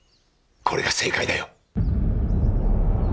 これが正解だよ。